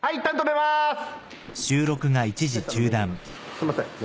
すいません。